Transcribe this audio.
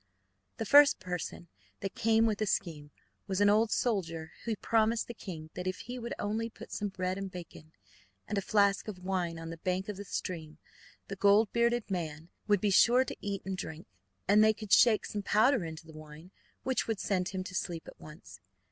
The first person that came with a scheme was an old soldier who promised the king that if he would only put some bread and bacon and a flask of wine on the bank of the stream, the gold bearded man would be sure to eat and drink, and they could shake some powder into the wine, which would send him to sleep at once.